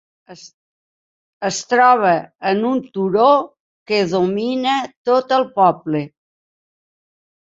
Es troba en un turó que domina tot el poble.